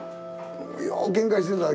ようけんかしてたわ。